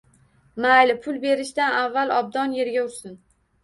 Mayli pul berishdan avval obdon yerga ursin.